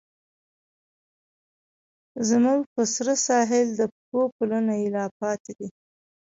زموږ په سره ساحل، د پښو پلونه یې لا پاتې دي